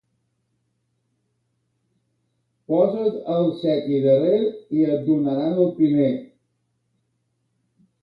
Posa't al seti darrer i et donaran el primer.